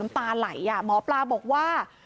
ไม่แสบหลังคาไว้